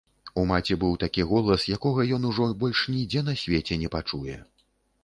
У маці быў такі голас, якога ён ужо больш нідзе на свеце не пачуе.